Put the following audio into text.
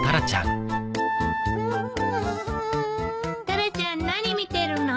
タラちゃん何見てるの？